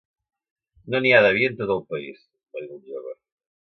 "No n'hi ha, de vi, en tot el país", va dir el jove.